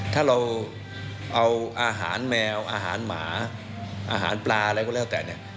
ถ้าเราเอาอาหารแมวอาหารหมาอาหารปลาอะไรก็แล้วแต่เนี่ย